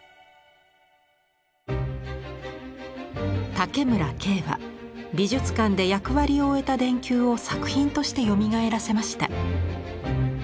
竹村京は美術館で役割を終えた電球を作品としてよみがえらせました。